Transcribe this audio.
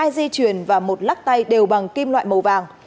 hai di chuyển và một lắc tay đều bằng kim loại màu vàng